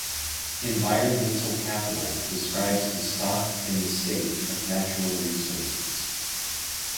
Environmental capital describes the stock and the state of natural resources.